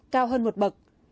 cao hơn một bậc